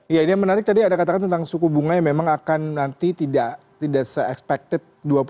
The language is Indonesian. ya ini yang menarik tadi ada katakan tentang suku bunga yang memang akan nanti tidak se expected